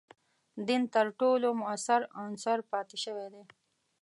دین تر ټولو موثر عنصر پاتې شوی دی.